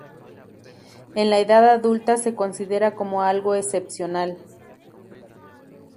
En la edad adulta se considera como algo excepcional.